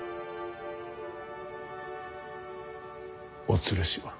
お連れしろ。